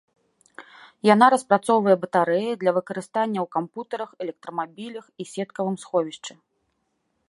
Яна распрацоўвае батарэі для выкарыстання ў кампутарах электрамабілях і сеткавым сховішчы.